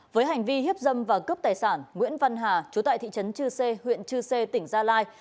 với hành vi hiếp dâm và cướp tài sản nguyễn văn hà chú tại thị trấn chư sê huyện chư sê tỉnh gia lai